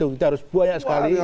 kita harus banyak sekali